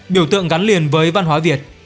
biểu tượng gắn liền với văn hóa việt